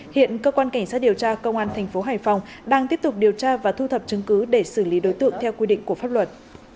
hiện cơ quan cảnh sát điều tra công an thành phố hải phòng đang tiếp tục điều tra và thu thập chứng cứ để xử lý đối tượng theo quy định của pháp luật